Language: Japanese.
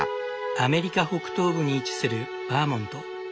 アメリカ北東部に位置するバーモント。